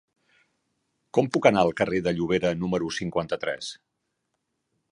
Com puc anar al carrer de Llobera número cinquanta-tres?